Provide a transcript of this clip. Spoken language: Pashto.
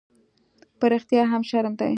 _په رښتيا هم، شرم دی؟